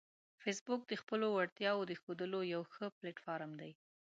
فېسبوک د خپلو وړتیاوو د ښودلو یو ښه پلیټ فارم دی